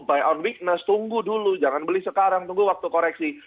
by on weakness tunggu dulu jangan beli sekarang tunggu waktu koreksi